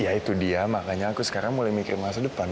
ya itu dia makanya aku sekarang mulai mikir masa depan